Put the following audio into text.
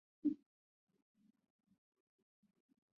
故航空器或船舶成为了对外主要的交通工具。